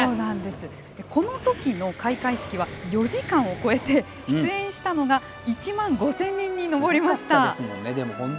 このときの開会式は４時間を超えて出演したのは１万５０００人に上りました。